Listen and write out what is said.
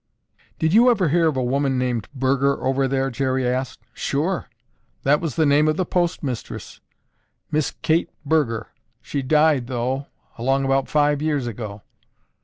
"Did you ever hear of a woman named Burger over there?" Jerry asked. "Sure! That was the name of the postmistress, Miss Kate Burger. She died, though, along about five years ago."